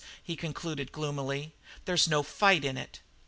He concluded gloomily: "There's no fight in it."